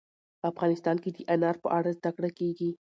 افغانستان کې د انار په اړه زده کړه کېږي.